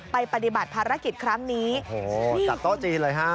ปฏิบัติภารกิจครั้งนี้โอ้โหจัดโต๊ะจีนเลยฮะ